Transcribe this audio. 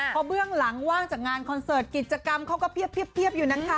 เพราะเบื้องหลังว่างจากงานคอนเสิร์ตกิจกรรมเขาก็เพียบอยู่นะคะ